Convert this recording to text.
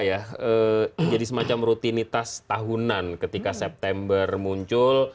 ya jadi semacam rutinitas tahunan ketika september muncul